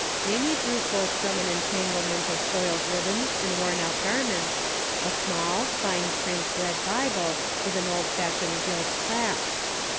Mamie drew forth from an entanglement of soiled ribbons and worn out garments a small, fine print red Bible with an old fashioned gilt clasp.